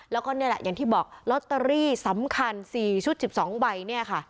แล้วก็นี่แหละอย่างที่บอกลอตเตอรี่สำคัญ๔ชุด๑๒ใบเนี่ยค่ะ